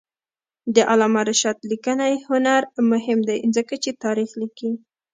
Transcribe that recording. د علامه رشاد لیکنی هنر مهم دی ځکه چې تاریخ لیکي.